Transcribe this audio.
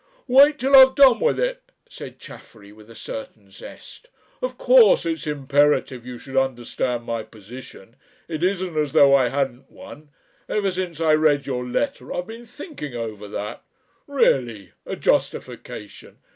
"Wait till I've done with it," said Chaffery with a certain zest. "Of course it's imperative you should understand my position. It isn't as though I hadn't one. Ever since I read your letter I've been thinking over that. Really! a justification!